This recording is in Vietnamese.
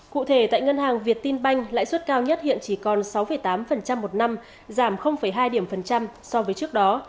cụ thể tại ngân hàng việt tin banh lãi suất cao nhất hiện chỉ còn sáu tám một năm giảm hai so với trước đó